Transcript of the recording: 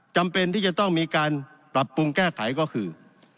จำเป็นที่จะต้องมีการปรับปรุงแก้ไขก็คือ